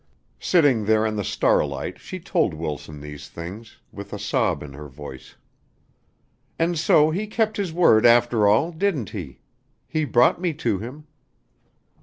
Sitting there in the starlight she told Wilson these things, with a sob in her voice. "And so he kept his word after all didn't he? He brought me to him."